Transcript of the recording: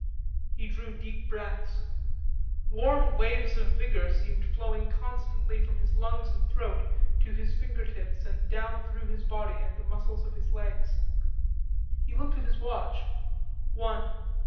He drew deep breaths; warm waves of vigor seemed flowing constantly from his lungs and throat to his finger tips and down through his body and the muscles of his legs. He looked at his watch: "One."